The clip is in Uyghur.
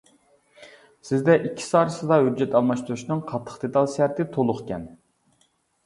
سىزدە ئىككىسى ئارىسىدا ھۆججەت ئالماشتۇرۇشنىڭ قاتتىق دېتال شەرتى تولۇقكەن.